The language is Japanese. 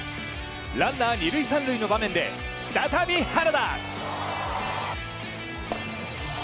ランナー２塁３塁の場面で再び原田。